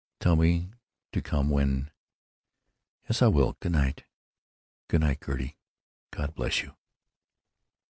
Tell me to come when——" "Yes. I will. Goodnight." "Good night, Gertie. God bless you."